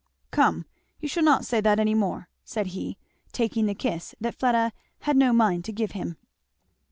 "Come, you shall not say that any more," said he, taking the kiss that Fleda had no mind to give him.